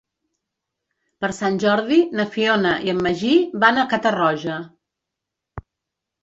Per Sant Jordi na Fiona i en Magí van a Catarroja.